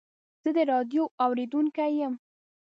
زه د راډیو اورېدونکی یم.